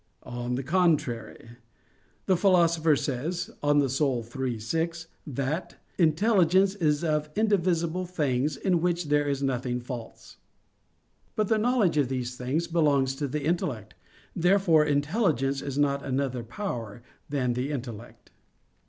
On the contrary, The Philosopher says (De Anima iii, 6) that "intelligence is of indivisible things in which there is nothing false." But the knowledge of these things belongs to the intellect. Therefore intelligence is not another power than the intellect.